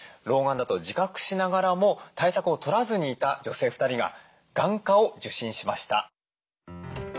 老眼だと自覚しながらも対策を取らずにいた女性２人が眼科を受診しました。